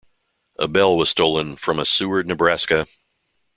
A bell was stolen from a Seward, Neb.